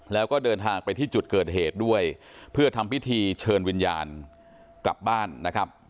แล้วก็เดินทางไปที่จุดเกิดเหตุด้วยเพื่อทำพิธีเชิญวิญญาณกลับบ้านนะครับ